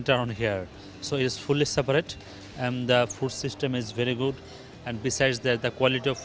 dan kecuali kualitas makanan juga baik